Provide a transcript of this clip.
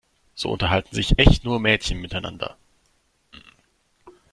So unterhalten sich echt nur Mädchen miteinander.